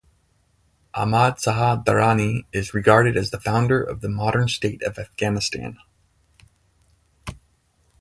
Ahmad Shah Durrani is regarded as the founder of the modern state of Afghanistan.